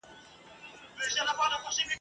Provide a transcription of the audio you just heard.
ورېښمیني څڼي دي شمال وهلې !.